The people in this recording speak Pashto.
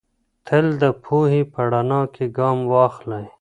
تل د پوهې په رڼا کې ګام واخلئ.